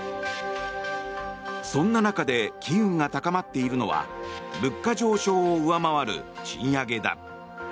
そんな中で機運が高まっているのは物価上昇を上回る賃上げだ。